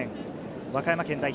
和歌山県代表